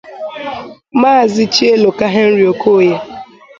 Maazị Chieloka Henry Okoye